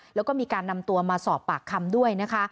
แล้วก็มีการนำตัวมาสอบปากคำด้วยนะคะ